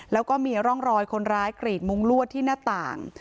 แล้วก็มีร่องรอยคนร้ายกรีดมุ้งลวดที่หน้าต่าง